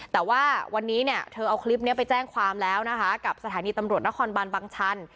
แต่ว่าวันนี้เนี่ยเธอเอาคลิปนี้ไปแจ้งความแล้วนะคะกับสถานีตำรวจนครบันบังชัน